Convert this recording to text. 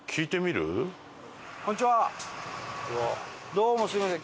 どうもすいません。